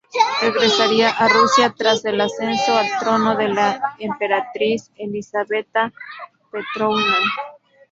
Regresaría a Rusia tras el ascenso al trono de la emperatriz Elizaveta Petrovna.